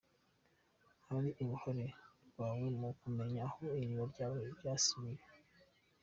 Hari uruhare rwawe mu kumenya aho iriba ryawe ryasibiwe.